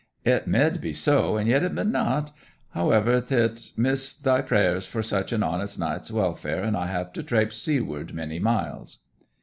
'It mid be so, and yet it mid not. However, th' 'lt miss thy prayers for such an honest knight's welfare, and I have to traipse seaward many miles.'